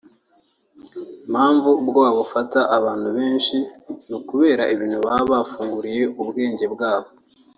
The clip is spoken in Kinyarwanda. Impamvu ubwoba bufata abantu benshi ni ukubera ibintu baba bafunguriye ubwenge bwabo